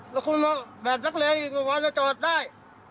แล้วคุณแบบนักเรียกว่าจะจอดได้